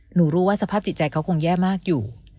หนูรู้ว่าสภาพจิตใจเขาคงแย่มากอยู่